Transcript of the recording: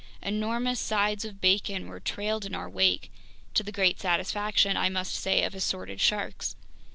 Enormous sides of bacon were trailed in our wake, to the great satisfaction, I must say, of assorted sharks.